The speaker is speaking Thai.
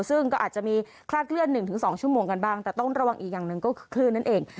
ซึ่งก็อาจจะมีคลาดเคลื่อน๑๒ชั่วโมงกันบ้างแต่ต้องระวังอีกอย่างหนึ่งก็คือคลื่นนั่นเอง